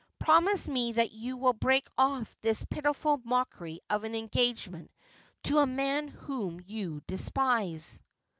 Promise me that you will break off this pitiful mockery of an engagement to a man whom you despise.'